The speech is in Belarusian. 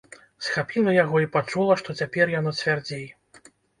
Схапіла яго і пачула, што цяпер яно цвярдзей.